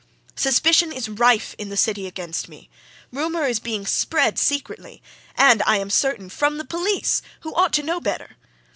Suspicion is rife in the city against me. Rumour is being spread secretly and, I am certain from the police, who ought to know better.